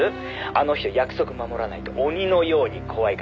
「あの人約束守らないと鬼のように怖いから」